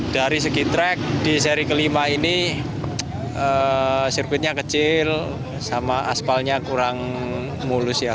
dari segi track di seri kelima ini sirkuitnya kecil sama aspalnya kurang mulus ya